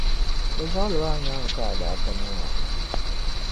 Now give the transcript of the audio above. Bε zabili maa nyaaŋa ka a daa kana maa.